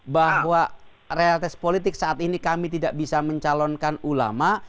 bahwa realitas politik saat ini kami tidak bisa mencalonkan ulama